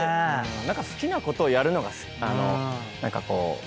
何か好きなことをやるのが何かこう